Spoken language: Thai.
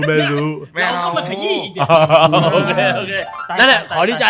แม่งมาขยี่อีกเนี่ย